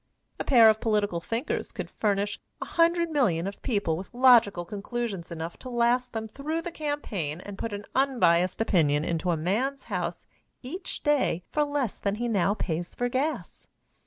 A pair of political thinkers could furnish 100,000,000 of people with logical conclusions enough to last them through the campaign and put an unbiased opinion into a man's house each day for less than he now pays for gas.